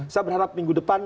saya berharap minggu depan